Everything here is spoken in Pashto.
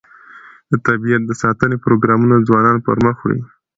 د طبیعت د ساتنې پروګرامونه ځوانان پرمخ وړي.